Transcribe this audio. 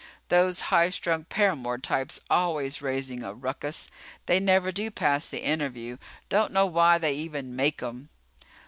"Those high strung paramour types always raising a ruckus. They never do pass the interview. Don't know why they even make 'em."